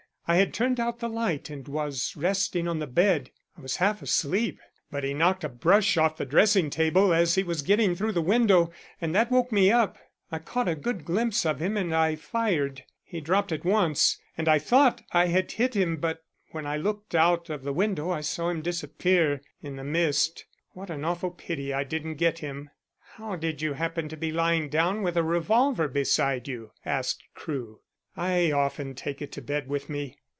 I had turned out the light and was resting on the bed. I was half asleep, but he knocked a brush off the dressing table as he was getting through the window and that woke me up. I caught a good glimpse of him and I fired. He dropped at once, and I thought I had hit him, but when I looked out of the window I saw him disappear in the mist. What an awful pity I didn't get him." "How did you happen to be lying down with a revolver beside you?" asked Crewe. "I often take it to bed with me.